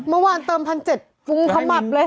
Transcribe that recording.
เมื่อวานเติมพันเจ็ดฟุ้งเข้าหมัดเลย